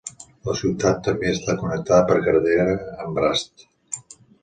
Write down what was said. La ciutat també està connectada per carretera amb Bratsk.